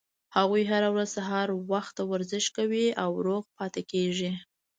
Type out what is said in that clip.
هغوي هره ورځ سهار وخته ورزش کوي او روغ پاتې کیږي